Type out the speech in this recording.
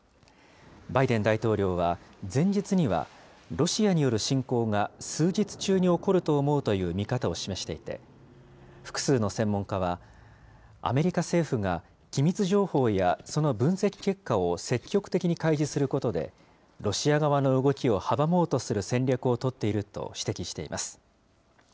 バイデン大統領は、前日にはロシアによる侵攻が数日中に起こると思うという見方を示していて、複数の専門家は、アメリカ政府が機密情報やその分析結果を積極的に開示することで、ロシア側の動きを阻もうとする戦略を取っていると指摘しています。